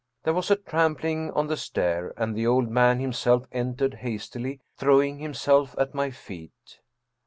There was a trampling on the stair, and the old man himself entered hastily, throwing himself at my feet.